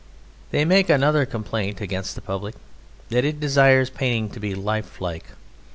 They make another complaint against the public, that it desires painting to be lifelike.